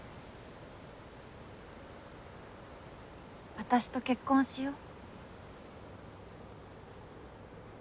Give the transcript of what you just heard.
私と結婚しよう。